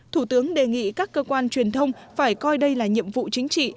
thủ tướng đề nghị các cơ quan truyền thông phải coi đây là nhiệm vụ chính trị